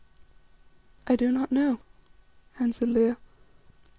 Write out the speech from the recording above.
"I do not know," answered Leo.